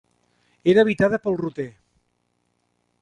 Era habitada pel roter.